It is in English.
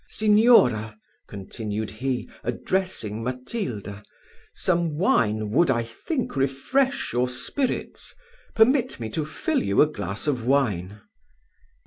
Signora," continued he, addressing Matilda, "some wine would, I think, refresh your spirits; permit me to fill you a glass of wine."